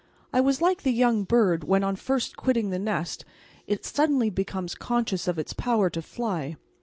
I was like the young bird when on first quitting the nest it suddenly becomes conscious of its power to fly.